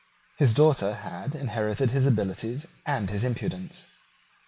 His daughter had inherited his abilities and his impudence.